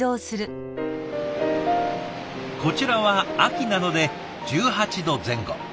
こちらは秋なので１８度前後。